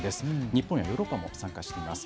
日本やヨーロッパも参加しています。